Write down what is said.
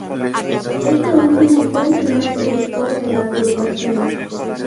Este último fue el primer director de la agrupación.